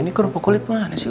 ini kerupuk kulit mana sih